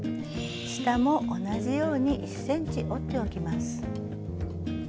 下も同じように１ｃｍ折っておきます。